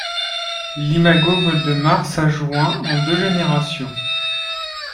L'imago vole de mars à juin, en deux générations.